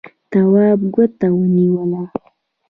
تواب ګوته ونيوله.